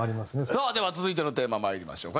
さあでは続いてのテーマまいりましょう。